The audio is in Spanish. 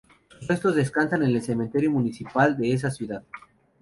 Sus restos descansan en el Cementerio Municipal de esa ciudad.